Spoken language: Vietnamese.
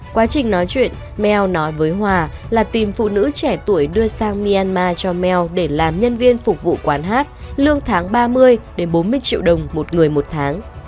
quá trình nói chuyện meo nói với hòa là tìm phụ nữ trẻ tuổi đưa sang myanmar cho melo để làm nhân viên phục vụ quán hát lương tháng ba mươi bốn mươi triệu đồng một người một tháng